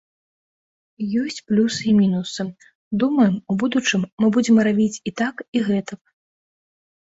Ёсць плюсы і мінусы, думаю, у будучым мы будзем рабіць і так, і гэтак.